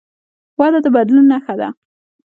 وده د بدلون نښه ده.